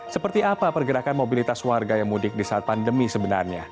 seperti apa pergerakan mobilitas warga yang mudik di saat pandemi sebenarnya